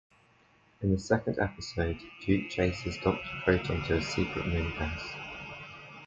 In the second episode, Duke chases Doctor Proton to his secret moonbase.